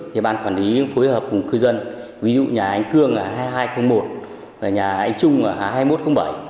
thì ban quản lý phối hợp cùng cư dân ví dụ nhà anh cương ở hai nghìn hai trăm linh một và nhà anh trung ở hai nghìn một trăm linh bảy